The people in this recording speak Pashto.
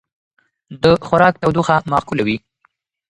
د خوراک تودوخه معقوله وي.